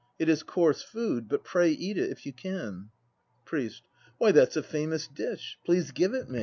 It is coarse food, but pray eat it if you can. PRIEST. Why, that's a famous dish! Please give it me.